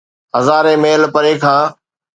هزارين ميل پري کان.